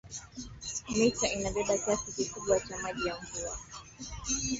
Mito inabeba kiasi kikubwa cha maji ya mvua